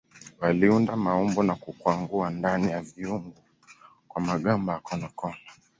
Waliunda maumbo na kukwangua ndani ya viungu kwa magamba ya konokono.